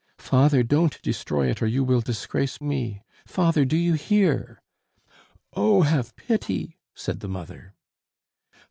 "Father, don't destroy it, or you will disgrace me! Father, do you hear?" "Oh, have pity!" said the mother.